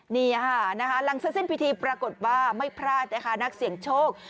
นี่ค่ะหลังเสร็จสิ้นพิธีปรากฏว่าไม่พลาดนะคะนักเสี่ยงโชค